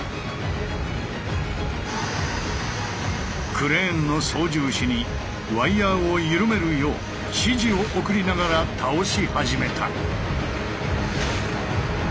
クレーンの操縦士にワイヤーを緩めるよう指示を送りながら倒し始めた。